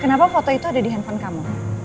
kenapa foto itu ada di handphone kamu